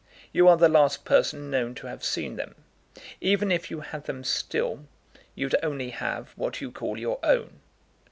You are the last person known to have seen them. Even if you had them still, you'd only have what you call your own."